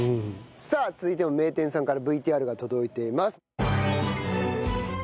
さあ続いても名店さんからＶＴＲが届いています。